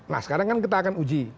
nah sekarang kan kita akan uji